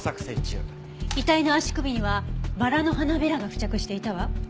遺体の足首にはバラの花びらが付着していたわ。